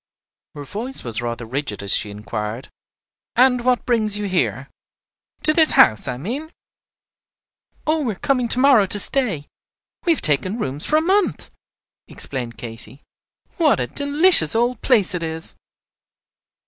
Her voice was rather rigid as she inquired, "And what brings you here? to this house, I mean?" "Oh, we are coming to morrow to stay; we have taken rooms for a month," explained Katy. "What a delicious looking old place it is."